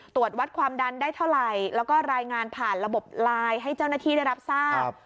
ตรวจวัดความดันได้เท่าไหร่แล้วก็รายงานผ่านระบบไลน์ให้เจ้าหน้าที่ได้รับทราบ